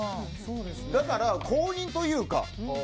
だから公認というか。